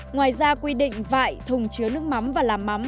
ngoài ra quy định vại thùng chứa nước mắm và làm mắm